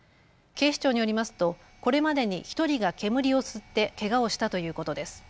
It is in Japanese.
警視庁によりますとこれまでに１人が煙を吸ってけがをしたということです。